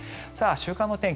週間の天気